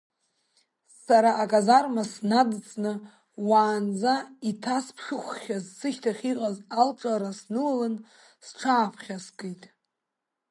Сара аказарма снадҵны, уаанӡа иҭасԥшыхәхьаз, сышьҭахь иҟаз алҿарра снылалан, сҽааԥхьаскит.